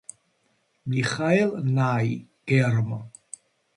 მიხაელ ნაი, გერმ.